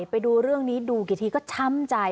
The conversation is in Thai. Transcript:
ไปดูเรื่องนี้ดูกี่ทีก็ช้ำใจ